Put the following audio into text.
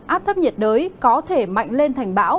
áp thấp nhiệt đới có thể mạnh lên thành bão